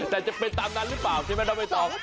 แต่จะไปตามนั้นหรือเปล่าถ้าไปตอน